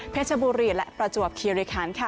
บุรีและประจวบคิริคันค่ะ